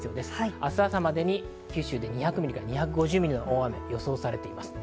明日朝までに九州で２００から２５０ミリの大雨が予想されています。